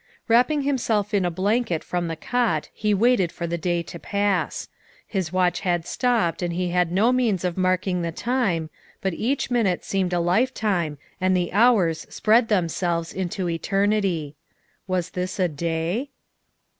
'' Wrapping himself in a blanket from the cot, he waited for the day to pass. His watch had stopped and he had no means of marking the time, but each minute seemed a lifetime and the hours spread themselves into eternity. Was this a day?